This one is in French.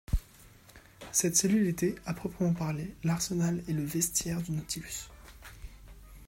Cette cellule était, à proprement parler, l’arsenal et le vestiaire du Nautilus.